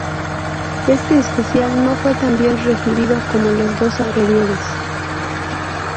Este especial no fue tan bien recibido como los dos anteriores.